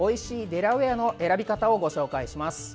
デラウエアの選び方をご紹介します。